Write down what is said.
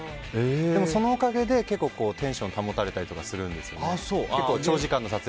そのおかげでテンションが保たれたりするんですよね。